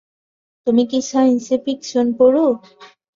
তুমি কি science fiction পড়ো?